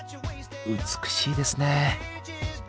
美しいですね。